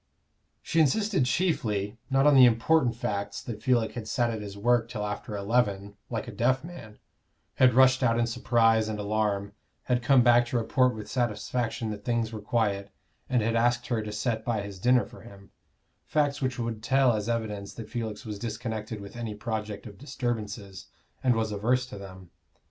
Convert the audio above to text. She insisted chiefly, not on the important facts that Felix had sat at his work till after eleven, like a deaf man, had rushed out in surprise and alarm, had come back to report with satisfaction that things were quiet, and had asked her to set by his dinner for him facts which would tell as evidence that Felix was disconnected with any project of disturbances, and was averse to them.